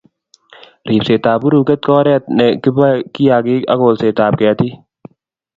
Ripsetab buruket ko oret ne kiboei kiyakik ak kolsetab ketik